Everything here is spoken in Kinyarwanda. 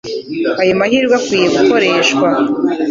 Aya mahirwe akwiye gukoreshwa.